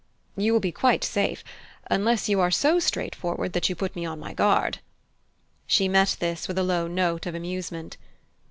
"You will be quite safe, unless you are so straightforward that you put me on my guard." She met this with a low note of amusement.